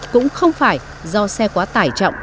cũng không phải do xe quá tải trọng